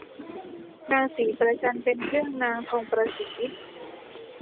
นางศรีประจันเป็นเพื่อนนางทองประศรี